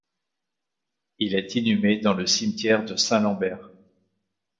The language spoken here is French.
Il est inhumé dans le cimetière de Saint-Lambert.